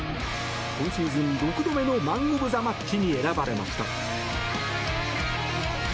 今シーズン６度目のマン・オブ・ザ・マッチに選ばれました。